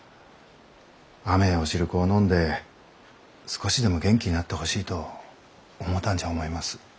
甘えお汁粉を飲んで少しでも元気になってほしいと思うたんじゃ思います。